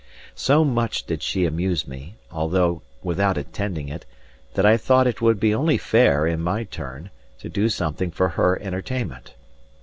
So much did she amuse me, although without intending it, that I thought it would be only fair, in my turn, to do something for her entertainment.